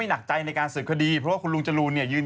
ขณะตอนอยู่ในสารนั้นไม่ได้พูดคุยกับครูปรีชาเลย